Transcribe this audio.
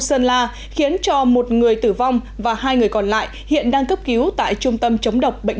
sơn la khiến cho một người tử vong và hai người còn lại hiện đang cấp cứu tại trung tâm chống độc bệnh